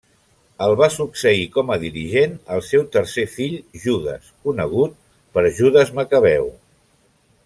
El va succeir com a dirigent el seu tercer fill Judes conegut per Judes Macabeu.